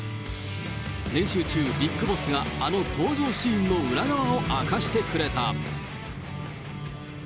練習中、ビッグボスがあの登場シーンの裏側を明かしてくれた。